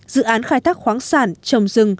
dự án khai thác khoáng sản trồng rừng